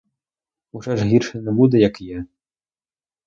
Уже ж гірше не буде, як є!